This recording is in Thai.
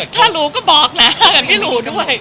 ถ้ารู้ก็บอกแหละไม่รู้ด้วย